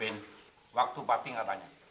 vin waktu papi gak banyak